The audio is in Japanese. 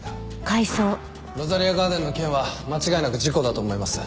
ロザリアガーデンの件は間違いなく事故だと思います。